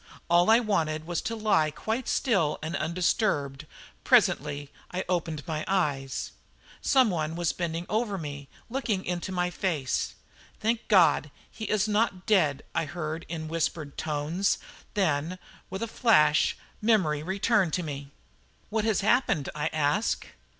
All I wanted was to lie quite still and undisturbed. Presently I opened my eyes. Some one was bending over me and looking into my face. "Thank God, he is not dead," I heard in whispered tones. Then, with a flash, memory returned to me. "What has happened?" I asked.